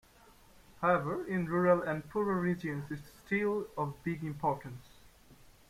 However, in rural and poorer regions it's still of big importance.